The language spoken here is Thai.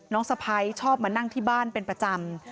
สะพ้ายชอบมานั่งที่บ้านเป็นประจำ